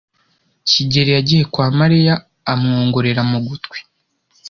kigeli yagiye kwa Mariya amwongorera mu gutwi.